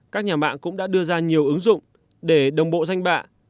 các nhà mạng cũng đã đưa ra nhiều ứng dụng để đồng bộ danh bạ